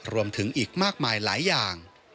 รวมถึงอีกมากมายหลายอย่าง